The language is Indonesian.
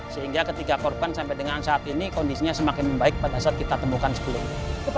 sehingga ketika korban sampai dengan saat ini kondisinya semakin membaik pada saat kita temukan sebelumnya